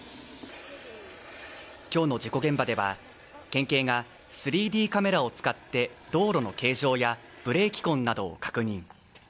今日の事故現場では県警が３Ｄカメラを使って道路の形状やブレーキ痕などを確認。